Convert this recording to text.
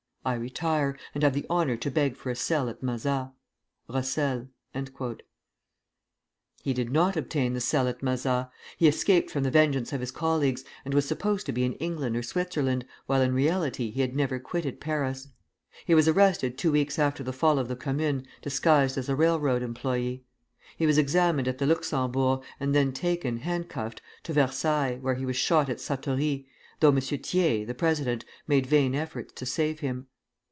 I retire, and have the honor to beg for a cell at Mazas. ROSSEL. He did not obtain the cell at Mazas. He escaped from the vengeance of his colleagues, and was supposed to be in England or Switzerland, while in reality he had never quitted Paris. He was arrested two weeks after the fall of the Commune, disguised as a railroad employee. He was examined at the Luxembourg, and then taken, handcuffed, to Versailles, where he was shot at Satory, though M. Thiers, the president, made vain efforts to save him.